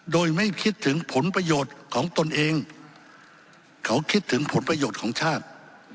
โดยไม่คิดถึงผลประโยชน์ของตนเองเขาคิดถึงผลประโยชน์ของชาติ